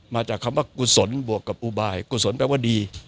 มาจากคำว่ากุศลบวกกับอุบายกุศลแปลว่าดี